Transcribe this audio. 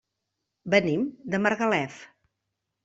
Venim de Margalef.